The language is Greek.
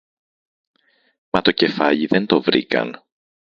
Μα το κεφάλι δεν το βρήκαν